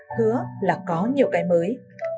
hai nghìn hai mươi bốn hứa là có nhiều cái mới